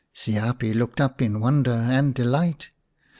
Siapi looked up in wonder and delight.